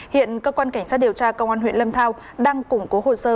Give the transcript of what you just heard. hiện cơ quan cảnh sát điều tra công an huyện lâm thao đang củng cố hồ sơ